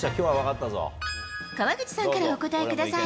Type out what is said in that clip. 川口さんからお答えください。